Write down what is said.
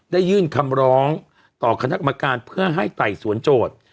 ได้ยื่นคำร้องต่อคณะกรรมการเพื่อให้ไต่สวนโจทย์